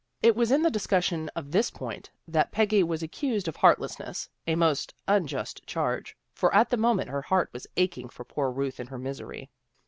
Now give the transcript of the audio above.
It was in the discussion of this point that Peggy was accused of heartlessness, a most unjust charge, for at the moment her heart was aching for poor Ruth in her misery.